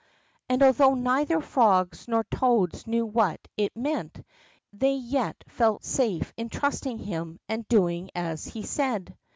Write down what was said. And although neither frogs nor toads knew what it meant, they yet felt safe in trusting him, and doing as he said.